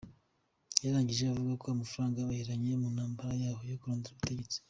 Yarangije avuga ko, "amafaranga yabaheranye, mu ntambara yabo yo kurondera ubutegetsi".